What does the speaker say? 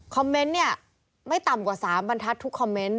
คอมเมนต์เนี่ยไม่ต่ำกว่า๓บรรทัศน์ทุกคอมเมนต์